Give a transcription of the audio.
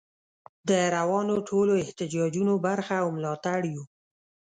د روانو ټولو احتجاجونو برخه او ملاتړ یو.